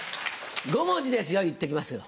５文字ですよ言っときますけど。